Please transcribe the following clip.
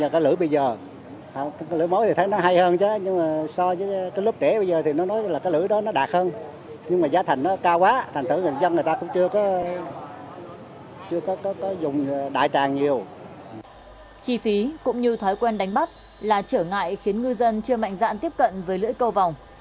chi phí cũng như thói quen đánh bắt là trở ngại khiến ngư dân chưa mạnh dạn tiếp cận với lưỡi câu vòng